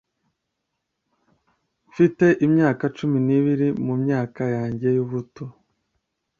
mfite imyaka cumi n'ibiri mumyaka yanjye y'ubuto